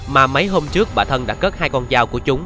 mà mấy hôm trước bà thân đã cất hai con dao của chúng